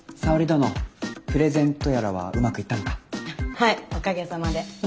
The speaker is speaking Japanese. はいおかげさまで。